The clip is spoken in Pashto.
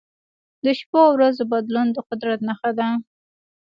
د شپو او ورځو بدلون د قدرت نښه ده.